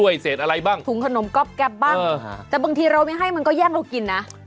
เหยียบเกล้วเหยียบเก๊บแต่บางทีไม่ให้มันแย่งเรากินนะ